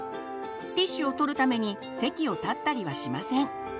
ティッシュを取るために席を立ったりはしません。